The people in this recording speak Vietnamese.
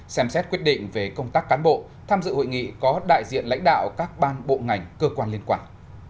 xem xét quyết định về công tác cán bộ tham dự hội nghị có đại diện lãnh đạo các ban bộ ngành cơ quan liên quan